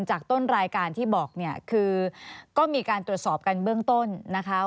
ต้นรายการที่บอกเนี่ยคือก็มีการตรวจสอบกันเบื้องต้นนะคะ